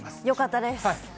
よかったです。